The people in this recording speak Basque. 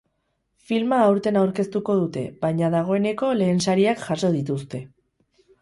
Filma aurten aurkeztuko dute, baina dagoeneko lehen sariak jaso dituzte.